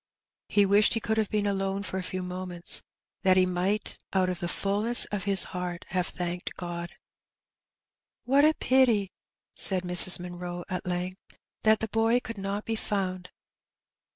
He wished he could have been alone for a few moments^ that he might out of the fulness of his heart have thanked God. *' What a pity," said Mrs. Munroe at length, '* that the boy could not be found."